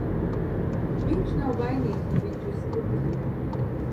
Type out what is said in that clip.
Viņš nav vainīgs, ka viņš ir strupceļā.